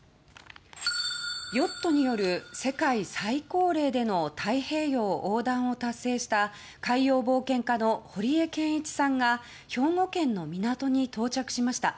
ヨットによる世界最高齢での太平洋横断を達成した海洋冒険家の堀江謙一さんが兵庫県の港に到着しました。